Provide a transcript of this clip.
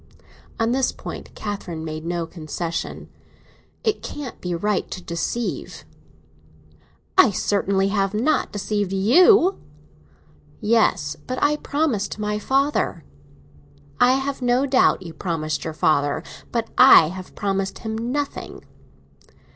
On this point Catherine made no concession. "It can't be right to deceive." "I certainly have not deceived you!" "Yes; but I promised my father—" "I have no doubt you promised your father. But I have promised him nothing!"